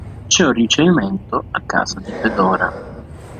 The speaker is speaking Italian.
C'è un ricevimento a casa di Fedora.